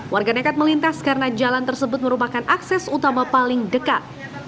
warga nekat melintas karena jalan tersebut merupakan akses utama paling dekat